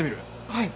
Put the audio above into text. はい。